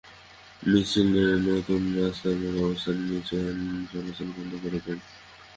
মিছিল নিয়ে নতুন রাস্তা মোড়ে অবস্থান নিয়ে যান চলাচল বন্ধ করে দেন।